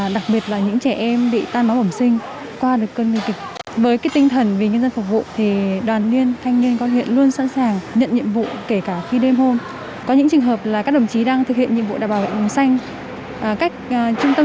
đặc biệt khi dịch covid một mươi chín đang diễn biến phức tạp